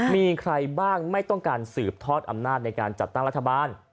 มีใครบ้างไม่ต้องการสืบทอดอำนาจในการจัดตั้งรัฐบาล